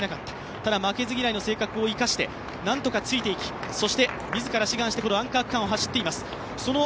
ただ、負けず嫌いの性格を生かして何とかついていきそして自ら志願してアンカー区間を走っています。